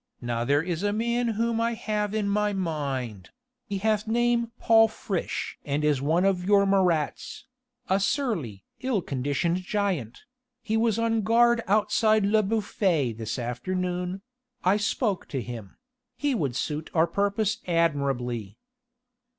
Now there is a man whom I have in my mind: he hath name Paul Friche and is one of your Marats a surly, ill conditioned giant ... he was on guard outside Le Bouffay this afternoon.... I spoke to him ... he would suit our purpose admirably."